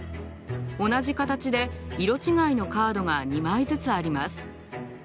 同じ形で色違いのカードが２枚ずつあります。